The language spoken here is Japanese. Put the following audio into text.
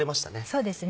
そうですね。